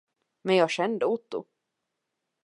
Men jag kände Otto.